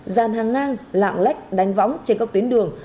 dàn hàng ngang lạng lách đánh võng trên các tuyến đường